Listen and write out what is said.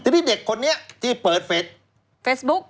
เดี๋ยวนี้เด็กคนนี้ที่เปิดเฟสบุ๊ก